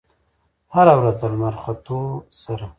هره ورځ د لمر ختو سره